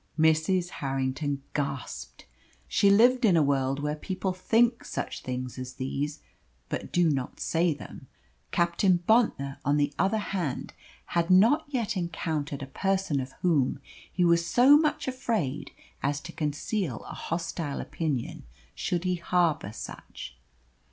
Mrs. Harrington gasped. She lived in a world where people think such things as these, but do not say them. Captain Bontnor, on the other hand, had not yet encountered a person of whom he was so much afraid as to conceal a hostile opinion, should he harbour such.